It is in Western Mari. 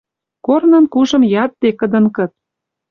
Корнын кужым ядде, кыдын кыт...